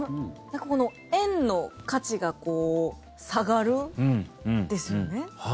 なんか円の価値が下がるんですよね？